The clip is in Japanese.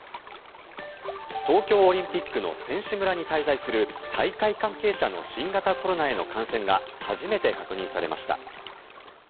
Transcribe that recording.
東京オリンピックの選手村に滞在する大会関係者の新型コロナへの感染が初めて確認されました。